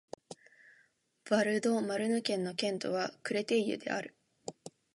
ヴァル＝ド＝マルヌ県の県都はクレテイユである